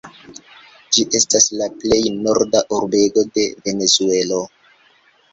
Ĝi estas la plej norda urbego de Venezuelo.